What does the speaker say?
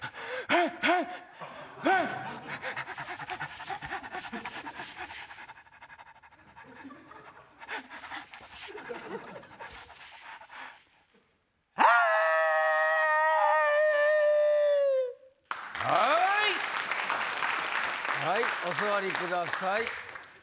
はいお座りください。